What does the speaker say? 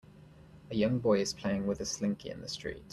A young boy is playing with a slinky in the street